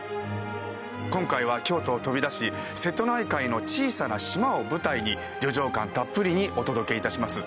今回は京都を飛び出し瀬戸内海の小さな島を舞台に旅情感たっぷりにお届け致します。